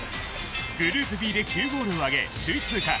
グループＢで９ゴールを挙げ首位通過。